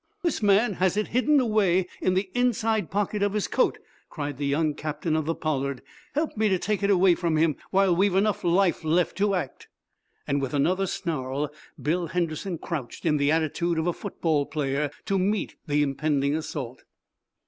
"This man has it hidden away in the inside pocket of his coat!" cried the young captain of the "Pollard." "Help me to take it away from him while we've enough life left to act!" With another snarl Bill Henderson crouched, in the attitude of a football player, to meet the impending assault.